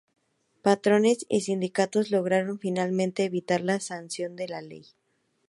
Patrones y sindicatos lograron finalmente evitar la sanción de la ley.